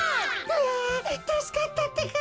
あたすかったってか。